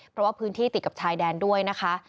เพราะว่าพื้นที่ติดกับชายแดนด้วยนะคะ